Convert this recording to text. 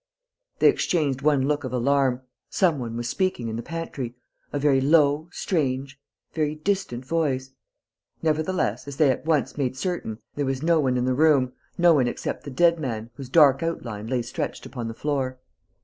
They exchanged one look of alarm.... Some one was speaking in the pantry ... a very low, strange, very distant voice.... Nevertheless, as they at once made certain, there was no one in the room, no one except the dead man, whose dark outline lay stretched upon the floor.